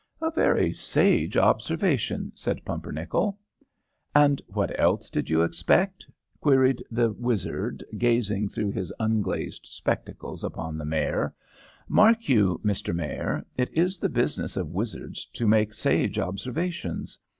"A very sage observation," said Pumpernickel. "And what else did you expect?" queried the wizard, gazing through his unglazed spectacles upon the Mayor. "Mark you, Mr. Mayor, it is the business of wizards to make sage observations.